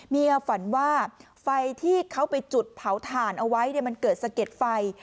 ฝันว่าไฟที่เขาไปจุดเผาถ่านเอาไว้มันเกิดสะเก็ดไฟ